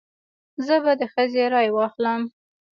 زه به د ښځې رای واخلم.